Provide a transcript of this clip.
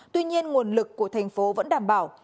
tuy nhiên nguồn lực của thành phố vẫn đảm bảo